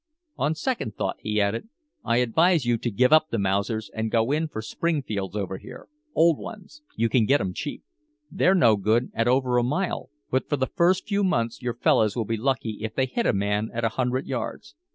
"On second thought," he added, "I advise you to give up the Mausers and go in for Springfields over here old ones you can get 'em cheap. They're no good at over a mile, but for the first few months your fellahs will be lucky if they hit a man at a hundred yards.